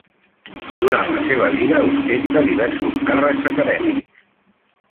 Durant la seva vida ostenta diversos càrrecs acadèmics.